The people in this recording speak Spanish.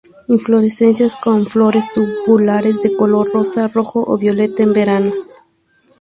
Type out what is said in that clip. Inflorescencias con flores tubulares de color rosa, rojo o violeta en verano.